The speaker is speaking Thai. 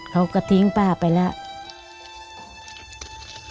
เขาก็ทิ้งป้าไปแล้ว